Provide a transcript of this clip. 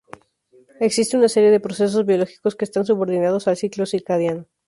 Existe una serie de procesos biológicos que están subordinados al ciclo circadiano.